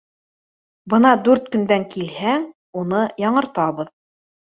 Бына дүрт көндән килһәң, уны яңыртабыҙ.